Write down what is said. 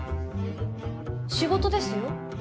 仕事ですよ。